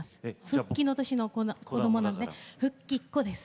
復帰の年の子どもなんで復帰っ子です。